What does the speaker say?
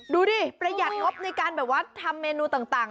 ดูสิประหยัดครบในการทำเมนูต่าง